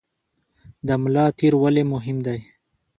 د ملا تیر ولې مهم دی؟